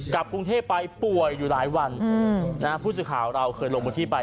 กลับกรุงเทพไปป่วยอยู่หลายวันผู้สื่อข่าวเราเคยลงพื้นที่ไป